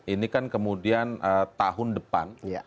ini kan kemudian tahun depan